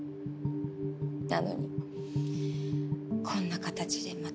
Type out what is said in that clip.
なのにこんな形でまた。